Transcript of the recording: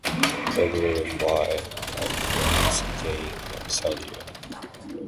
It was written by her bandmates Gane and Sadier.